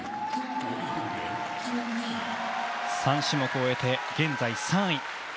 ３種目を終えて現在３位。